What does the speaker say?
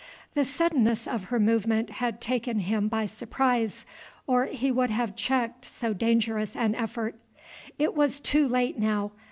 The suddenness of her movement had taken him by surprise, or he would have checked so dangerous an effort. It was too late now.